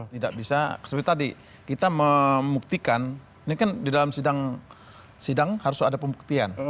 tidak bisa seperti tadi kita membuktikan ini kan di dalam sidang harus ada pembuktian